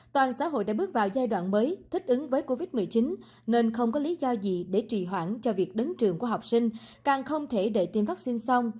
toàn xã hội đã bước vào giai đoạn mới thích ứng với covid một mươi chín nên không có lý do gì để trì hoãn cho việc đến trường của học sinh càng không thể để tiêm vaccine xong